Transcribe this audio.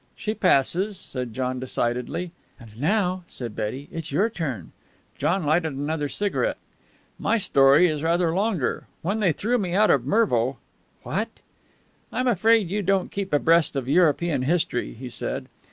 "She passes," said John decidedly. "And now," said Betty, "it's your turn." John lighted another cigarette. "My story," he said, "is rather longer. When they threw me out of Mervo " "What!" "I'm afraid you don't keep abreast of European history," he said.